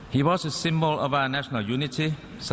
เค้าเป็นเดิมของแวนของอาเมริกา